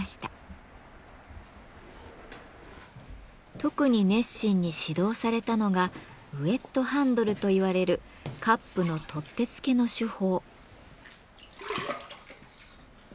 特に熱心に指導されたのが「ウエットハンドル」といわれるカップの取っ手付けの手法。